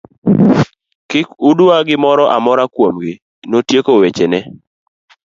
Kik udwa gimoro amora kuom gi, notieko weche ne.